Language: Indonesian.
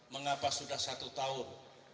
mengapa sudah satu tahun